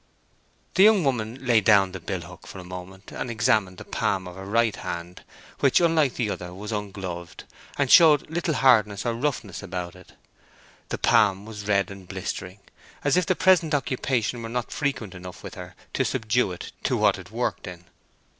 The young woman laid down the bill hook for a moment and examined the palm of her right hand, which, unlike the other, was ungloved, and showed little hardness or roughness about it. The palm was red and blistering, as if this present occupation were not frequent enough with her to subdue it to what it worked in.